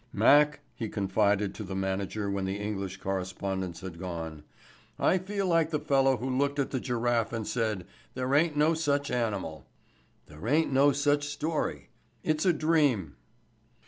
"Mac," he confided to the manager when the English correspondents had gone, "I feel like the fellow who looked at the giraffe and said 'there ain't no such animal.' There ain't no such story. It's a dream."